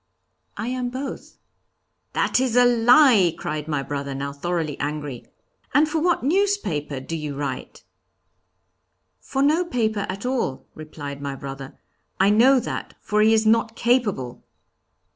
'I am both.' 'That is a lie!' cried my brother, now thoroughly angry. 'And for what newspaper do you write?' 'For no paper at all,' replied my brother, 'I know that, for he is not capable.'